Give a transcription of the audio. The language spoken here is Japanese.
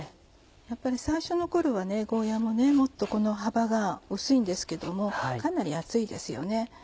やっぱり最初の頃はゴーヤももっと幅が薄いんですけどもかなり厚いですよね。